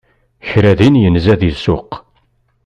Kra din yenza di ssuq.